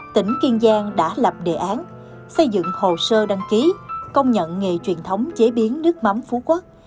tỉnh kiên giang đã lập đề án xây dựng hồ sơ đăng ký công nhận nghề truyền thống chế biến nước mắm phú quốc